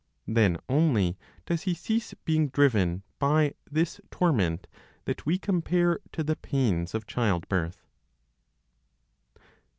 Then only does he cease being driven by this torment that we compare to the pains of childbirth.